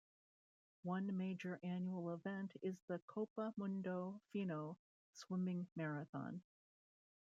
One major annual event is the Copa Mundo Fino swimming marathon.